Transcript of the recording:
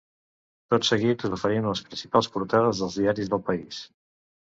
Tot seguit us oferim les principals portades dels diaris del país.